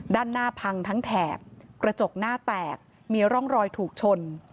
ด้านหน้าพังทั้งแถบกระจกหน้าแตกมีร่องรอยถูกชน